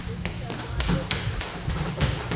Mtandao inaanza aribisha wa toto kwa sasa